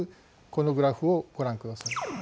このグラフをご覧ください。